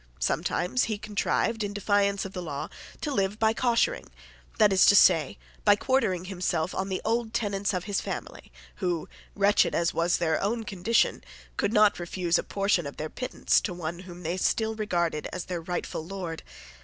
Sometimes he contrived, in defiance of the law, to live by coshering, that is to say, by quartering himself on the old tenants of his family, who, wretched as was their own condition, could not refuse a portion of their pittance to one whom they still regarded as their rightful lord.